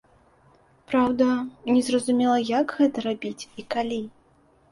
Праўда, незразумела, як гэта рабіць і калі.